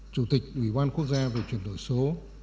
chủ tịch ủy ban quốc gia về chuyển đổi số